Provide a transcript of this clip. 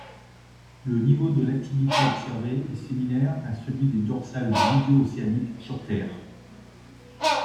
Le niveau de l'activité observée est similaire à celui des dorsales médio-océaniques sur Terre.